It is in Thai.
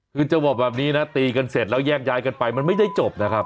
คือจะบอกแบบนี้นะตีกันเสร็จแล้วแยกย้ายกันไปมันไม่ได้จบนะครับ